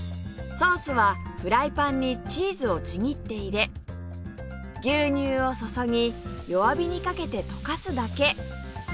ソースはフライパンにチーズをちぎって入れ牛乳を注ぎ弱火にかけて溶かすだけ！